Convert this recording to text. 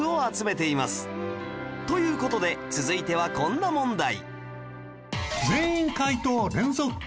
という事で続いてはこんな問題